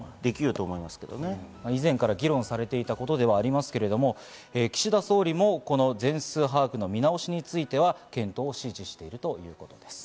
以前から議論されていたことではありますけれども、岸田総理もこの全数把握の見直しについては、検討を指示しているということです。